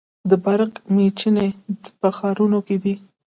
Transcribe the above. د برق میچنې په ښارونو کې دي.